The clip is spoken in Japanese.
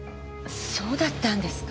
そうだったんですか。